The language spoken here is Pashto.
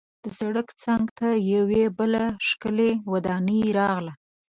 د سړک څنګ ته یوه بله ښکلې ودانۍ راغله.